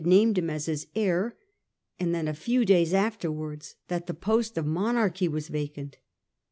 named him as his heir, and then a few days afterwards that the post of monarchy was vacant.